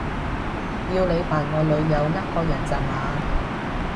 要你扮我女友呃個人咋嘛